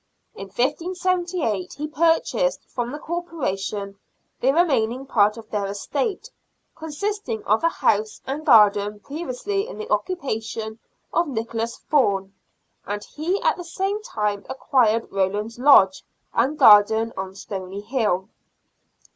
In 1578 he purchased from the Corporation the remaining part of their estate, consisting of a house and garden previously in the occupation of Nicholas Thome, and he at the same time acquired Rowland's Lodge and garden on Stony Hill.